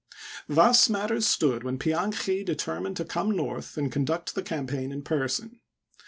Thus matters stood when Pianchi determined to come north and conduct the campaign in person.